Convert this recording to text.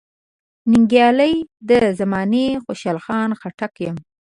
ننګیالی د زمانې خوشحال خټک یم .